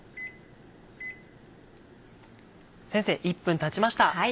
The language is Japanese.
先生１分たちました。